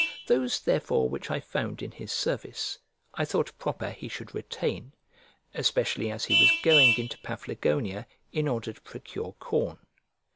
Those therefore which I found in his service, I thought proper he should retain, especially as he was going into Paphlagonia, in order to procure corn.